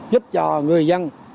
giúp cho người dân